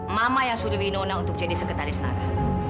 mama yang suruh winona untuk jadi sekretaris naga